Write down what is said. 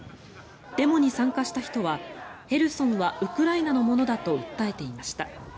デモに参加した人はヘルソンはウクライナのものだと訴えていました。